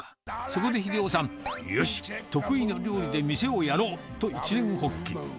そこで秀男さん、よし、得意の料理で店をやろうと一念発起。